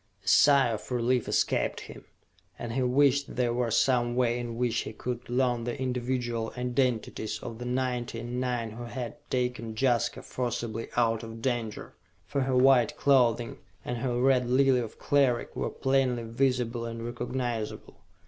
A sigh of relief escaped him, and he wished there were some way in which he could learn the individual identities of the ninety and nine who had taken Jaska forcibly out of danger! For her white clothing, and her Red Lily of Cleric were plainly visible and recognizable!